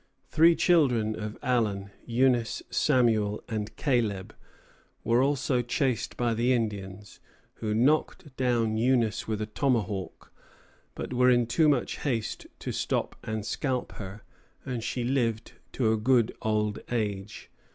Three children of Allen Eunice, Samuel, and Caleb were also chased by the Indians, who knocked down Eunice with a tomahawk, but were in too much haste to stop and scalp her, and she lived to a good old age.